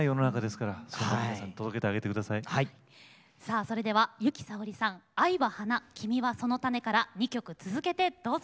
さあそれでは由紀さおりさん「愛は花、君はその種子」から２曲続けてどうぞ。